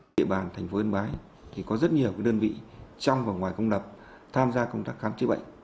địa bàn thành phố yên bái thì có rất nhiều đơn vị trong và ngoài công lập tham gia công tác khám chữa bệnh